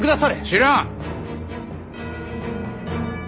知らん。